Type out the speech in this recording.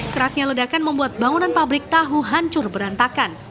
kerasnya ledakan membuat bangunan pabrik tahu hancur berantakan